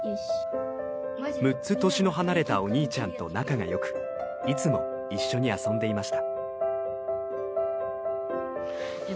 ６つ年の離れたお兄ちゃんと仲が良くいつも一緒に遊んでいました。